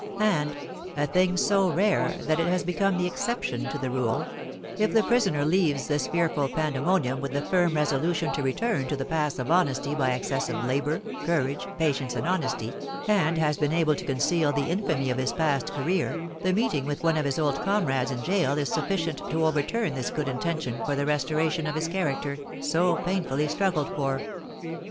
And a thing so rare that it has become the exception to the rule if the prisoner leaves this fearful pandemonium with the firm resolution to return to the paths of honesty by excessive labour, courage, patience, and honesty, and has been able to conceal the infamy of his past career, the meeting with one of his old comrades in gaol is sufficient to overturn this good intention for the restoration of his character, so painfully struggled for.